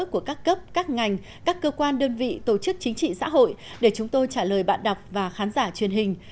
của các cấp các ngành các cơ quan đơn vị tổ chức chính trị xã hội để chúng tôi trả lời bạn đọc và khán giả truyền hình